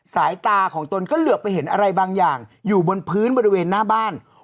สายตาของตนก็เหลือไปเห็นอะไรบางอย่างอยู่บนพื้นบริเวณหน้าบ้าน